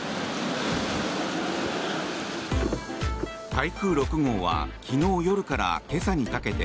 台風６号は昨日夜から今朝にかけて